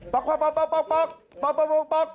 ปอก